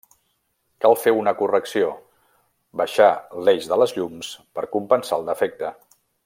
Cal fer una correcció, baixar l'eix de les llums per compensar el defecte.